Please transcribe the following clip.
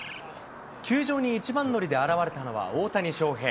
球場に一番乗りで現れたのは大谷翔平。